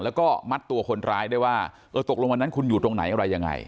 แล้วก็มัดตัวคนร้ายได้ว่าเออตกลงวันนั้นคุณอยู่ตรงไหนอะไรยังไง